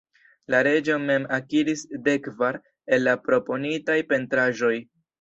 La reĝo mem akiris dekkvar el la proponitaj pentraĵoj.